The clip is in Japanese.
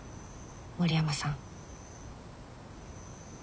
森山さん。